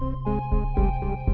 orang yang waktu yang tuh kekecuan